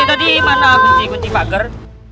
tadi mana kunci kunci pagar